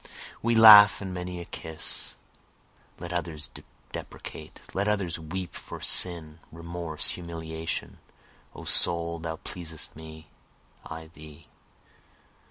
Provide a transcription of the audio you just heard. With laugh and many a kiss, (Let others deprecate, let others weep for sin, remorse, humiliation,) O soul thou pleasest me, I thee.